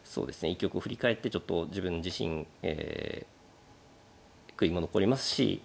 一局を振り返ってちょっと自分自身え悔いも残りますしえ